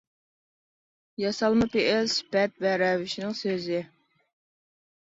: ياسالما پېئىل، سۈپەت ۋە رەۋىشنىڭ سۆز.